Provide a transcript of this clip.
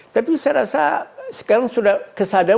tapi saya rasa sekarang sudah kesadaran